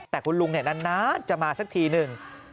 แต่คุณลุงเนี่ยนั้นนะจะมาสักทีหนึ่ง